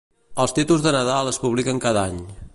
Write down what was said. Els títols de Nadal es publiquen cada any.